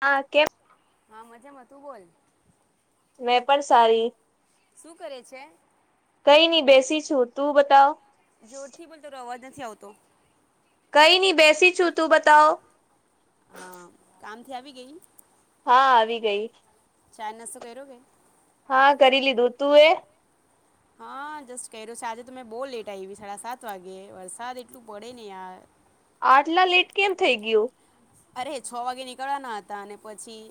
હા કેમ. હા મજામાં તું બોલ. મેં પણ સારી શું કરે છે કઈની બેસી છું તું બતાવ. જોરથી બોલ તારો અવાજ નથી આવતો. કઈ નઈ બેસી છું તું બતાવ. ત્યાંથી આવી ગઈ. હા આવી ગઈ. ચાઈ નાસ્તો કર્યો. હા કરી લીધું તું એ હા જસ્ટ કર્યો છે આજે તો મેં બહુ લેટ આવી સાડા સાત વાગે વરસાદ એટલું પડે ને યાર. આટલા લેટ કેમ થઈ ગયુ. અરે છ વાગે નીકળવાના હતા અને પછી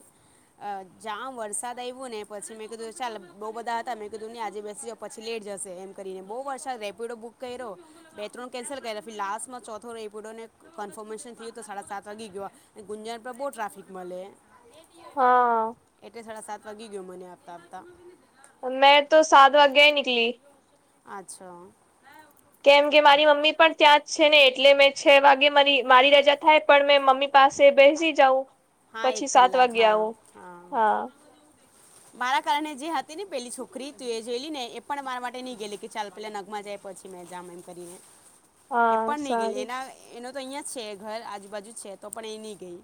જામ વરસાદ આવ્યો ને પછી મેં કીધું ચાલ બઉ બધા હતા મેં કીધું ને આજે બેસી જા પછી લેટ જશે એમ કરીને બહું વરસાદ રેપિડો બુક કર્યો બે ત્રણ કેન્સલ કરી લાસ્ટમાં ચોથો રેપિડો કન્ફર્મેશન થયું તો સાડા સાત વાગી ગયો ગુંજણ પર બહુ ટ્રાફિક મલે. હા. લાગી ગયો મને આપતા-આપતા. મેં તો સાત વાગ્યા નિકલી. અચ્છા. કેમ કે મારી મમ્મી પણ ત્યાં જ છે ને એટલે મેં છ વાગે મારી મારી રજા થાય પણ મેં મમ્મી પાસે બેસી જાઉં. હા પછી એક સાત કલાક વાગે આવું હા-હા. હા [inaudible] મારા કારણે જે હતી ને પેલી છોકરી તું એ જોયેલી ને એ પણ મારા માટે નહી ગેલી કે ચાલ પેલા નગમાં જાય પછી. [inaudible] કરી એ હા પણ નહી ગઈ સારું એના તો અહિયાં છે ઘર આજુબાજુ છે તો પણ એ નહી ગઈ.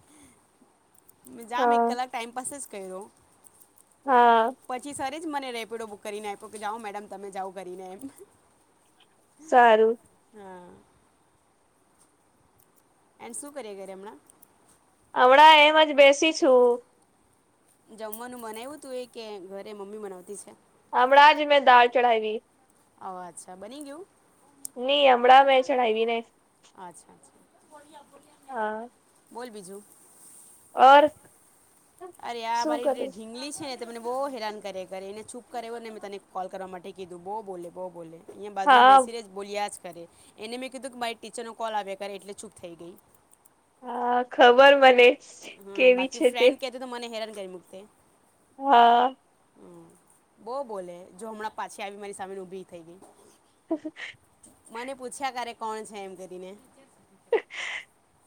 જામ એક હા કલાક ટાઈમ પાસ જ કર્યો હા પછી એને જ મને રેપીડો બુક કરીને આપ્યો કે જાઓ મેડમ તમે જાવ કરીને. સારું. હા એ શું કરીએ ઘરે હમણાં. હમણાં એમ જ બેસી છું. જમવાનું મને એવું હતું એ કે ઘરે મમ્મી મનાવતી છે. હમણા જ મેં દાલ ચઢાઈવી. ઓ અચ્છા બની ગયું. નઈ હમણાં મેં ચડાવી ને. અચ્છા-અચ્છા. હા. બોલ બીજું. [inaudible] ઓર. અરે આ શું મારી જે કરે ઢીંગલી છે. તમને બહુ હેરાન કરે કરે એને છૂપ કરે ને મેં તને કોલ કરવા માટે કીધું બહુ બોલે બહું બોલે. અહીંયા બાજુમાં હા બેસીને બોલીયા જ કરે. અરે એને મેં કીધું કે મારી ટીચર નો કોલ આવ્યા કર એટલે ચૂપ થઈ ગઈ હા ખબર મને હા કેવી બાકી છે તે ફ્રેન્ડ કેતો તો મને હેરાન કરી મૂકતે હા હમ બહ બોલે જો હમણાં પાછી આવી મારી સામે ઊભી થઈ ગઈ [unintelligible] મને પૂછ્યા કારે કોણ છે, એમ કરીને [inaudible]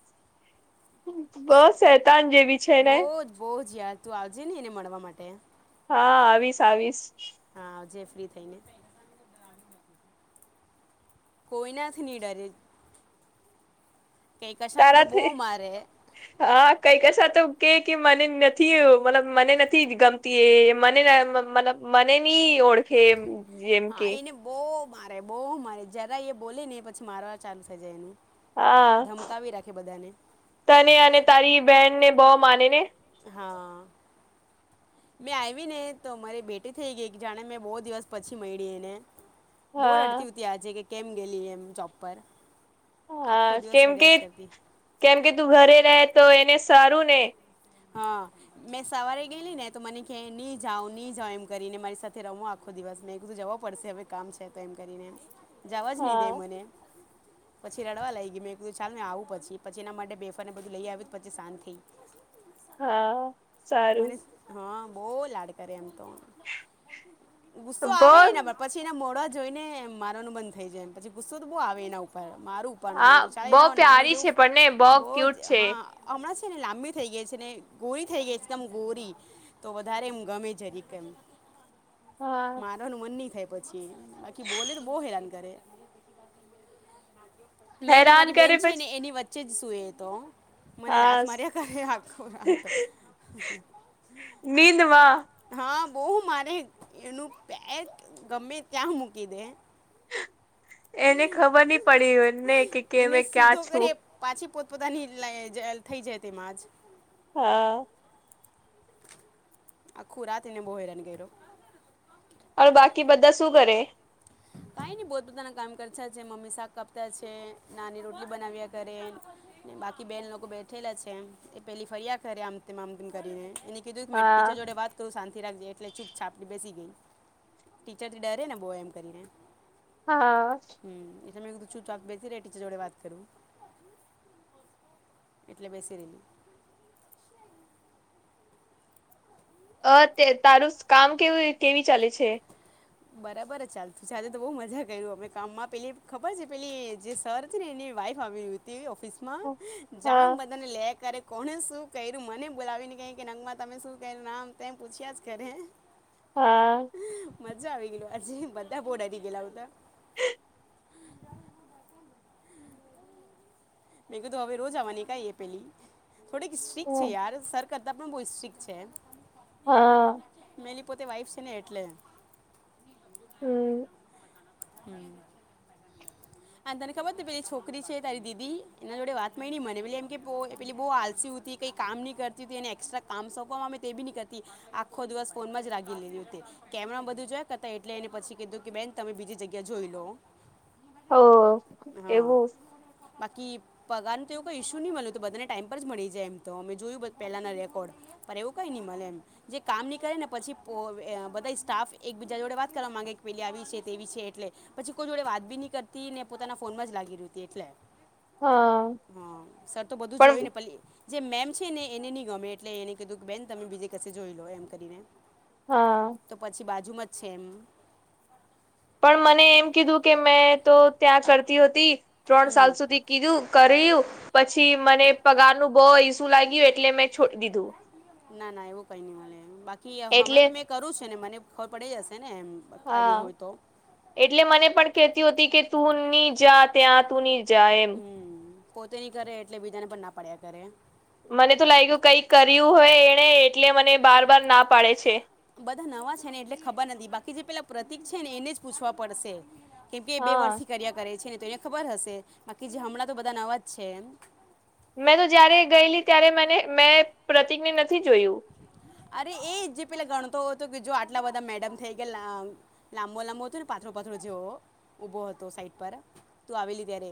બસ શેતાન જેવી છેને. જયાર તુ આવજે, ને એને મળવા માટે હા, આવીશ-આવીશ હા આવજે ફ્રી થઈને કોઈનાથની, ડરે કંઈ કશાને તારા તો બહુ થી મારે હા, કઈ કશ તો કેક કે મને નથી, મતલબ મને નથી, ગમતી એ મને મ મને નની ઓળખ કેમ હા, એને બહુ મારે બહુ મારે જરા એ બોલે ને એ પછી. મારવાર ચાલુ થઇ જાય એનુ હા, તને અને તારી બેહેનને બઉ. માને ને હા મેં આઈવીને ને તો મારી બેટી થઈ ગઈ કે જાણે મેં બહુ દિવસ પછી મઈ ડી એને બોર હા અડતી ઉ ત આજે કે કેમ ગેલી એમ ચોપ પર હા આખો દિવસ કેમ કે રડ્યા જ કરતી કેમ કે તું ઘરે રહે તો એને સારું ને હા મેં સવારે ગયલી ને તો મને કે ની જાાવ ની જાાવ એમ કરીને મારી સાથે રમું આખો દિવસ મે કધું જવો પડશે હવે કામ છે તો એમ કરીને જવા જ નહી દે હા મને પછી રડવા લઈ ગઈ મેંધું ચાલ મે આવું પછી પછી એના માટે બેફરને બધું લઈ આવ્યું પછી શાંત થઈ હા મને સારું હા, બહુ લાડ કરે એમ તો ગુસ્સો બો આવે એના પર પછી, એને મોડજ જોઈને મારાવાનુ બંધ થઈ, જાયમ પછી ગુસ્સો તો બહુ આવે એના ઉપર મારુ ઉપન હા મેંદુ ચા બો એના નાનું પ્યારી જેવું છે પણ ને બો બહ જ ક્યુટ છે હા, હમણાં છેને, લાંબી થઈ ગઈ છેને. ગોરી થઈ, ગઈ એકદમ ગોરી તો વધારે એમ ગમે છે, જીમ હા મારોનું મન નહી, થાય પછી બાકી બોલે તો બહ હેરાન કરે મેં ને હેરાન મારી કરે બેન છેને, પછી એની વચ્ચે જ સુય તો મને લાથ હા માર્યા આખું, રાત નીંદમાં હા, બહુ મારે એનું પેક ગમે ત્યાં મૂકી દે એને ખબર નહી. પડી એમને કે કેમે એને ક્યાં સીધો છુ. કરીએ પાછી પોતપોતાની [unintelligible] થઈ જાય, તેમા જ હા આખુ, રાત એને બોહેરાન કર્યો હ, બાકી બધા શું કરે ને પોતપોતાના કામ કરછા છે, મમ્મી શાક કાપતા છે. નાની રોટલી બનાવ્યા કરે બાકી બેન, લોકો બેઠેલા છે. એ પહેલી ફરિયાદ કરે આમતે આમ તેમમ કરીને એને કીધુ મે ટીચર હા જોડે વાત કરુ શા રાખે એટલે ચૂપ છાપડી બેસી ગઈ, ટીચર થી ડરે ને બો એમ કરીને હા ત એક દ છૂ, ચાક બેસી ટીચર જોડે વાત કરુ એટલે, બેસી રેલી અ તે તારુ કામ કેવ કેવી ચાલે છે. બરાબર ચાલું ચા આજે તો બહુ મજા કર અમે કામમાં પેલી ખબર છે, પેલી જે સર ને એને વાઇફ આવવિતી ઓફિસ માં જામ હા બધાને લે કર કોને શું કર્યુ મને બોલાવીને કઈ, કે નંગમા તમે શું કર્યુ નામ તેમ પૂછ્યા જ કરે હા. મજા આવી ગઈલુ, હજી બધા બહુ ડરી ગેલા હતા મેં કતો હવે રોજ આવવાની કઈ એ પેલી, થોડીક સ્ટિક છે. યાર, સર કરતા પણ વો, સ્ટ્રીક છે. હા મેલી પોતે વાઈફ છેને, એટલે હમ હમ્મ અને તને ખબર છે પેલી છોકરી છે તારી દીદી, એના જોડે વાત મળી મને, પેલી એમકે પો પેલી બહુ આલસી હતી, કઈ કામ નહી કરતી હતી, એને એક્સટરા કામ સોંપવામાં આવે તે બી ની કરતી, આખો દિવસ ફોનમાં જ લાગી રેહલી હતી. કેમરામાં બધું જોય કરતા એટલે, એને પછી કીધું કે બેન તમે બીજી જગ્યા જોઈલો. હો એવું. બાકી પગાર નુતો એવું કોઈ ઇશ્યુ નહીં મલે, એતો બધાને ટાઈમ પર જ મળી જાય એમ તો, મે જોયું બ પહેલાના રેકોર્ડ. પર એવું કઈ નહી મલે એમ, જે કામની કરેને પછી પોવે બધા સ્ટાફ એક બીજા જોડે વાત કરવા માંગે પેલી આવી છે, તેવી છે એટલે, પછી કોઈ જોડે વાત બી ન કરતી, ને પોતાના ફોનમાં જ લાગી રહેતી, એટલે હા હા, સર તો બધું પણ જોયને પલી જે મેમ છે ને એને નહી ગમે, એટલે, એને કીધું કે બેન તમે બીજે કસે જોઈલો એમ કરીને હા. જુમજ છે, એમ. પણ મને એમ કીધું કે, મેં તો ત્યાં કરતી હો હતી, ત્રણ હમ સાલ સુધી કીધ પછી, મને પગારનું બહુ ઈસુ લાગ્યું એટલે, મેં છોડી, દીધુ ના ના એવું કઈ નઈ મળે, બાકી એટલે હમણાં તો મેં કરુ છેને, મને ખબર પડી જશેને હા, એટલે મને પણ કેહતી હતી કે તું ની જા ત્યાં તું ની જા એમ હમ્મ, પોતે નઈ કરે એટલે, બીજાને પણ ના પાડ્યા કરે. મને તો લાગ્યું કઈક કર્યું હોય એણે, એટલે મને બાર બાર ના પાડે છે. બધા નવા છે ને, એટલે ખબર નથી. બાકી જે પેલા પ્રતિક છે ને એને જ પૂછવા પડશે. કેમ કે એ બે હા વર્ષથી કર્યા કરે છે ને, તો એને ખબર હશે. બાકી જે હમણાં તો બધા નવાજ છે એમ. મેં તો જયારે ગયેલી ત્યારે મને મેં પ્રતિકને નથી જોયું. અરે એજ જે પેલા ગણતો હતો, કેજો આટલા બધા મેડમ થઈ ગયલા, લાંબો લાંબો હતો ને પાત નો પાતળો જેવો, ઉભો હતો સાઈટ પર તું આવેલી ત્યારે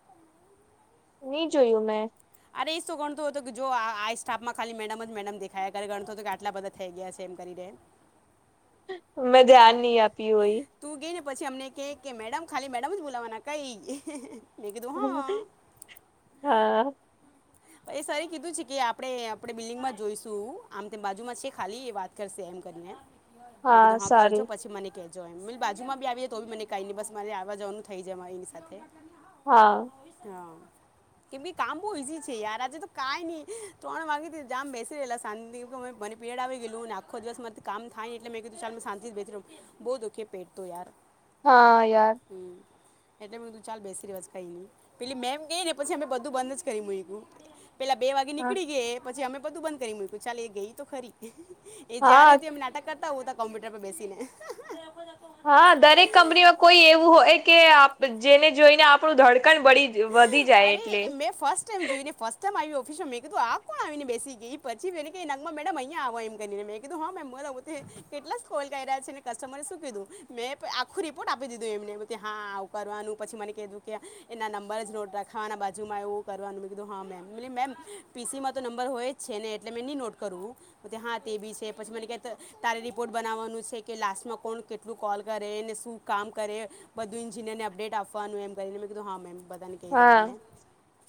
[inaudible] નહી જોયું મેં. અરે શું ગણતો હતો કે, જો આ આ સ્ટાફમાં ખાલી મેડમ જ મેડમ દેખાયા કરે, ગણતો હતો કે, આટલા બધા થઈ ગયા છે એમ કરી ડે મેં ધ્યાન નહી આપ્યું હોય. તું ગઈ ને પછી અમને કેઈ કે, મેડમ ખાલી મેડમ જ બોલાવાના કઈ. મેં કીધું હા હા. એ સર એ કીધું છે કે આપણે, આપણે બિલ્ડિંગમાં જોઈશું, આમ તેમ બાજુમાં છે ખાલી એ વાત કરશે એમ. એમ કરીને, મે કીધું હા કરજો પછી મને કેજ જો એમિલ બાજુમાં બી આવીયે તો બી મને કાઈની નહી, બસ મારે આવા જવાનું થઈ જાય મારે એની સાથે હા. હા કેમબી કામ બહુ ઇજી છે યાર આજે તો કઈ નહી, ત્રણ વાગેથી જામ બેસી રહેલા શાંતિ તો મને પીરીયડ આવી ગયેલુ ને આખો દિવસમાં મારથી કામ થાય, એટલે મેં કીધું ચાલ શાંતિથી બેસી રહું. બહુ દુખે પેટ તો યાર. હા યાર. હમ. એટલે મે કીધું ચાલ બેસી રવાદે કઈની, પેલી મેમ ગઈને પછી અમે બધું બંધ જ કરી મુકયું. પેલા બે વાગે હા નીકળી ગઈ એ, પછી અમે બધું બંધ કરી મૂક્યું ચાલ એ ગઈ તો ખરી. એ જયારે હા તેમ એમ નાટક કરતા હોવ તે કોમ્પ્યુટર પર બેસીને હા દરેક કંપનીમાં કોઈ એવું હોય કે આપ જેને જોઈને આપણું ધડકણ બળી વધી જાય અરે એટલે ફીસા મેં કીધું આ કોણ આવીને બેસી ગઈ? પછી પેલી કે નગમાં મેડમ અહીંયા આવો એમ કરીને મેં કીધું હ મેમ બોલો બોતી કેટલા ખોલ કરયા છેને કસ્ટમરે શું કીધું મેં આખું રિપોર્ટ આપી દીધું એમને, હા આવ વાનુ પછી મને કીધું કે એનાં નમ રજ નોટ રાખવાના બાજુમાં એવું કરવાનું, મેં કીધું હા મેમ, મેબોલી મેમ પીસીમાં તો નંબર હોય જ છેને એટલે મે ની નોટ કરું, બોતે હા તે બી છે પછી મને કે ત તારે રિપોર્ટ બનાવવાનું શે કે લાસ્ટમાં કોણ કેટલું કોલ કરે, ને શું કામ કરે, બધું ઇન્જિનિયરને અપડેટ આપવાનું. એમ કરીને મેં કીધું હા મેમ. બધાને કહી દેવા હા મેં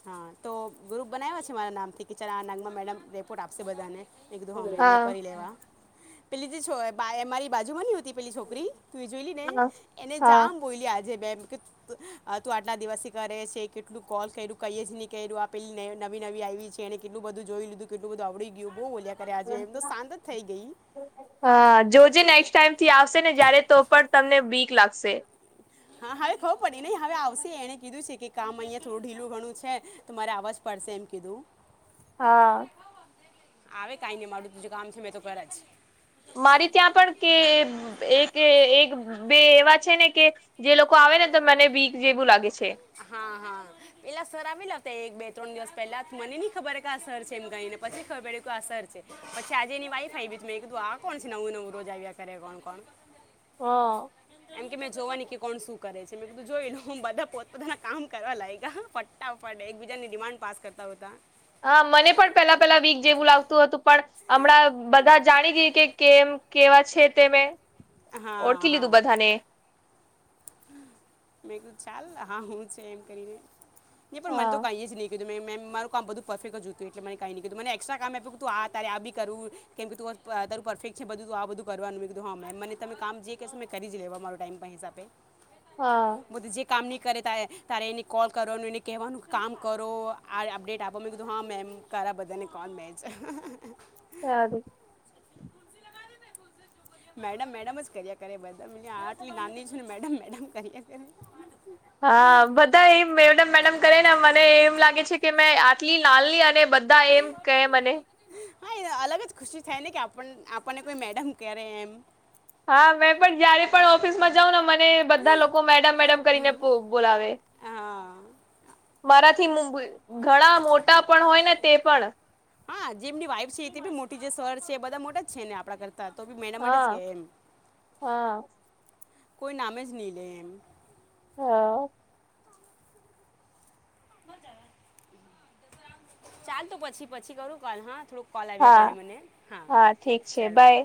હા તો ગ્રુપ બનાવ્યા છે, મારા નામથી કે ચાલ આ નામમાં મેડમ રિપોર્ટ આપશે બધાને એક હા મે મેં કરી લેવા પેલી જે છો મારી બાજુ બની પેલી છોકરી તું એ જોઈ લી ને હા એને જામ હા બોયલી આજે [unintelligible] તું આજના દિવસથી કરે છે કેટલું કોલ કર્યું કઈએ જ નહી કર્યું આપેલી નવી નવી આવી છે, અને કેટલું બધું જોઈ લીધું કેટલુંધું બ આવડી ગયું બહુ ઓલ્યા કર્યા જે એમ તો શાંત જ થઈ ગઈ હા જો જે નેક્સ્ટ ટાઈમથી આવશે ને જયારે તો પણ તમને વીક લાગશે હા હવે ખબું પડે નહી હવે આવશે એને કીધું છે, કે કામ અહં થોડું ઢીલો ઘણું છે, તો મારે આવવાજ પડશે ફરસે એમ કીધું હા. આવે કઈ નહી મળ્યું તુંજું કામ છે, મેં તો કર જ મારી ત્યાં પણ કે એક એક બે એવા છે, ને કે જે લોકો ફરેતો મને બીક જેવું લાગે છે. હા હા પેલા સરામી લ તે એક બે ત્રણ દિવસ પહેલા થી, મને ની ખબર કે આ સર છે એમ કહીને, પછી ખબર કે આ સર છે, પછી આજે ની વાઇફ આઇવિ, મેં કીધું આ કોણ છે, નવું નવું રોજ આવ્યા કરે કોણ કોણ હા એમ કે મેં જોવાની કે કોણ શું કરે છે, મેં કીધું જોયલો બધા પોતાના કામ કરવા લાગ્યા પટ ટાફ્ટ એકબીજાની ડિમાન્ડ પાસ કરતા હોતા. હા મને પણ પેલા પેલા વીક જેવું લાગતું હતું પણ હમણાં બધા જ જાણી ગઈ કે કેમ કેવા છે, તે મેં ઓળખી હા હા લીધું બધાને મેં ક ચાલ હા હું છે, એમ કરીને પણ મન તો હા કહી જ નહીં કીધું મે મે મારું કામ બધું પરફેક્ટ જોયું એટલે મે કઈ ની કીધું મને એકસ્ટ્રા કામ આપ્યું તું આ તારે આ બી કરુ કેમ કે તુ પરફેક્ટ છે, બધું આ બધું કરવાનું મે કધું હા મેમ મને તમે કામ જે કહેશો મેં કરી જ લેવા મારો ટાઈમ પણ હિસાબે હા બધું જે કામ નહીં કરે તારે તારે એને કોલ કરવાનું એને કહેવાનું કામ કરો આ અપડેટ આપો મેં કીધું હા મેમ કારા બધા ને કોણ બે છે. સારું મેડમ મેડમ જ કર્યા કરે કરે બધા મને આટલી નાની છુ ને મેડમ મેડમ કર્યા કરે. [unintelligible] હા બધા એ મેડમ મેડમ કરેને મને એમ લાગે છે, કે મેં આટલી નાલની અને બધા એમ કે મને. હા એ અલગ જ ખુશી થાય ને કે આપ આપણને કોઈ મેડમ ક્યારે એમ હા મેં પણ જયારે પણ ઓફિસ માં જાઉં ને મ ને બધા લોકો મેડમ મેડમ કરીને બોલાવે હા મારા હથી મુુંબઈ ઘણા મોટા પણ હોય ને તે પણ હા જે એમની વાઈફ છે તે બી મોટી જે સર છે બધા મોટા જ છે, ને આપડા કરતા તો બી મેડમ માટે જ કે હા એમ હા કોઈ નામે જ નહીં લે એમ હા. ચાલ તો પછી પછી કરું કાલ હા થોડુંક કોલ આવ્યા હા કરે મને હા ચલ બાય.